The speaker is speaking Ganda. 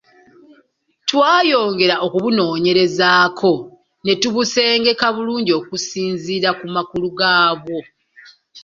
Twayongera okubunoonyerezaako n’etubusengeka bulungi okusinziira ku makulu gaabwo.